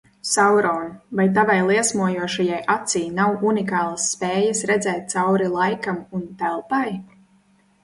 Sauron, vai tavai liesmojošajai acij nav unikālas spējas redzēt cauri laikam un telpai?